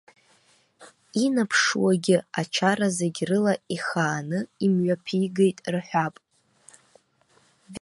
Инаԥшуагьы, ачара зегь рыла ихааны имҩаԥигеит рҳәап.